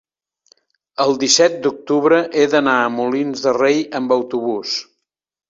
el disset d'octubre he d'anar a Molins de Rei amb autobús.